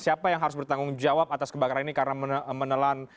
siapa yang harus bertanggung jawab atas kebakaran ini karena menelan